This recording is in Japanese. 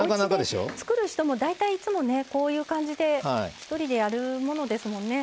おうちで作る人もいつも、こういう感じで一人でやるものですもんね。